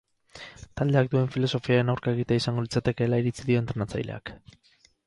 Taldeak duen filosofiaren aurka egitea izango litzatekeela iritzi dio entrenatzaileak.